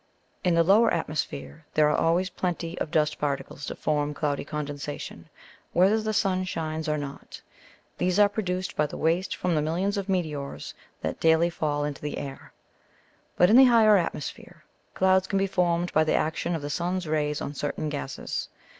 In the lower atmosphere there are always plenty of dust particles to form cloudy condensation, whether the sun shines or not. These are produced by the waste from the millions of meteors that daily fall into the air. But in the higher atmosphere, clouds can be formed by the action of the sun's rays on certain gases.